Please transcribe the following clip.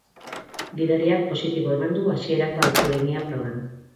Gidariak positibo eman du hasierako alkoholemia proban.